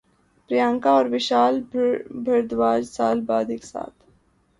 پریانکا اور وشال بھردواج سال بعد ایک ساتھ